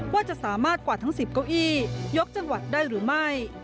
ว่าจะสามารถกวาดทั้ง๑๐เก้าอี้ยกจังหวัดได้หรือไม่